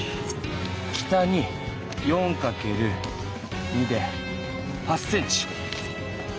北に４かける２で８ｃｍ。